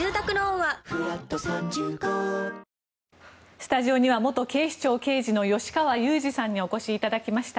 スタジオには元警視庁刑事の吉川祐二さんにお越しいただきました。